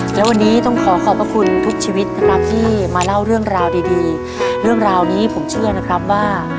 และวันนี้ต้องขอขอบพระคุณทุกชีวิตนะครับที่มาเล่าเรื่องราวดีดีเรื่องราวนี้ผมเชื่อนะครับว่า